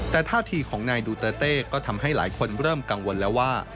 แต่ท่าทีของนายดูเตอร์เต้ก็ทำให้หลายคนเริ่มกังวลแล้วว่า